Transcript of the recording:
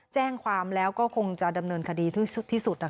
แจ้งความแล้วก็คงจะดำเนินคดีที่สุด